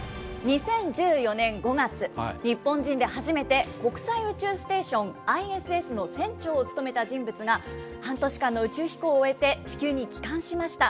２０１４年５月、日本人で初めて国際宇宙ステーション・ＩＳＳの船長を務めた人物が、半年間の宇宙飛行を終えて地球に帰還しました。